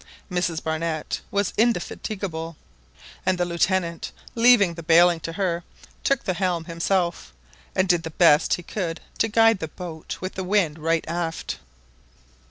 Mrs Barnett was indefatigable, and the Lieutenant, leaving the baling to her, took the helm himself, and did the best he could to guide the boat with the wind right aft.